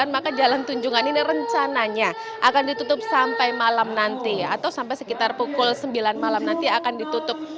maka jalan tunjungan ini rencananya akan ditutup sampai malam nanti atau sampai sekitar pukul sembilan malam nanti akan ditutup